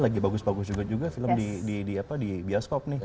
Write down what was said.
lagi bagus bagus juga film di bioskop nih